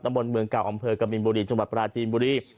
บนเมืองเก่าอำเภอกบินบุรีจังหวัดปราจีนบุรี